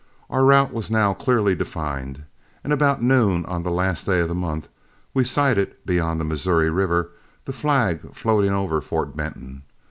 Our route was now clearly defined, and about noon on the last day of the month we sighted, beyond the Missouri River, the flag floating over Fort Benton.